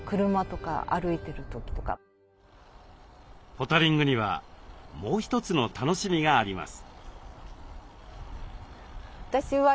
ポタリングにはもう一つの楽しみがあります。